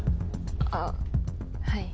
あっはい。